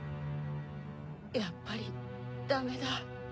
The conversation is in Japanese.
やっぱりダメだ。